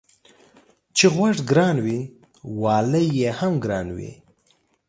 چي غوږ گران وي والى يې هم گران وي.